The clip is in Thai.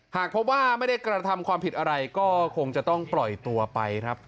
หากพบว่าไม่ได้กระทำความผิดอะไรก็คงจะต้องปล่อยตัวไปครับ